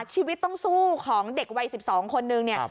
ชีวิตต้องสู้ของเด็กวัย๑๒คนนึงเนี่ย